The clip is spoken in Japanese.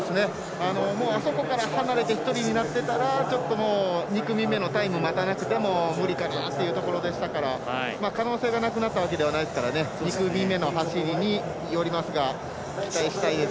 あそこから離れて１人になってたら２組目のタイム待たなくても無理かなというところでしたから可能性がなくなったわけではないですから２組目の走りによりますが期待したいです。